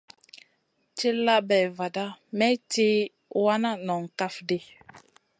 Tilla bay vada may tì wana nong kaf ɗi.